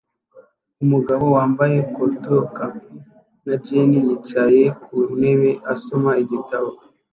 Umugabo wambaye c cotoon cap na jeans yicaye ku ntebe asoma igitabo